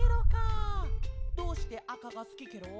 どうしてあかがすきケロ？